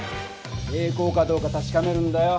平行かどうかたしかめるんだよ。